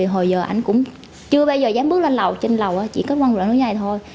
hồi giờ anh cũng chưa bao giờ dám bước lên lầu trên lầu chỉ có ngăn rõ như thế này thôi